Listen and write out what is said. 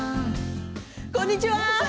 こんにちは。